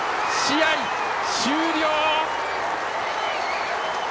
試合終了！